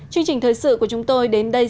chương trình thời sự của chúng tôi đến đây